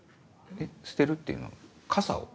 捨てるっていうのは傘を？